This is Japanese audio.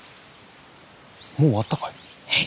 もう終わったかい？